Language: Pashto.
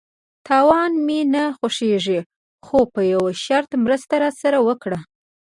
_تاوان مې نه خوښيږي، خو په يوه شرط، مرسته راسره وکړه!